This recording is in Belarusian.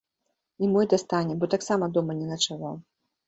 І мой дастане, бо таксама дома не начаваў.